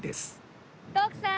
徳さん！